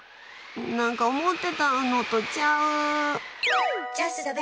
なんか思ってたんのとちゃう！